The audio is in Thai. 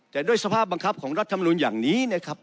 แต่ด้วยสภาพบังคับของรัฐมนุนอย่างนี้นะครับ